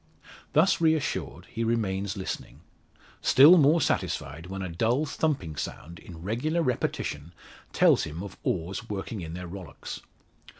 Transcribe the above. Thus reassured he remains listening. Still more satisfied, when a dull thumping sound, in regular repetition, tells him of oars working in their rowlocks.